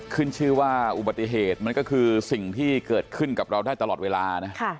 ขึ้นชื่อว่าอุบัติเหตุมันก็คือสิ่งที่เกิดขึ้นกับเราได้ตลอดเวลานะ